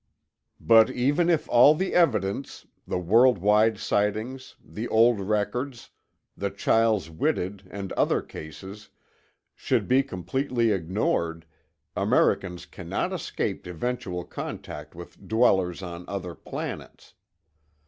But even if all the evidence—the world wide sightings, the old records, the Chiles Whitted and other cases—should be completely ignored, Americans cannot escape eventual contact with dwellers on other planets.